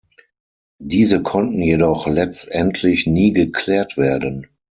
Diese konnten jedoch letztendlich nie geklärt werden.